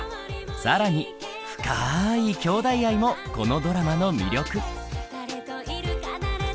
更に深いきょうだい愛もこのドラマの魅力。